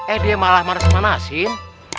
eh dia malah marahin manasin